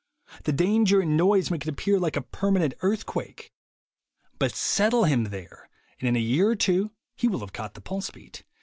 The danger and noise make it appear like a permanent earthquake. But settle him there, and in a year or two he will have caught the pulse beat.